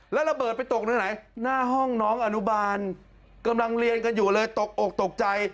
แล้วระเบิดไปตกในไหนหน้าห้องน้องอนุบาลกำลังเรียนกันอยู่เลยตกอกตกใจ